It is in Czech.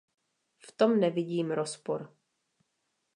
V tom nevidím rozpor.